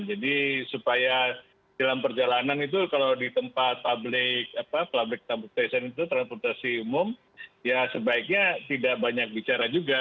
jadi supaya dalam perjalanan itu kalau di tempat public transportation itu transportasi umum ya sebaiknya tidak banyak bicara juga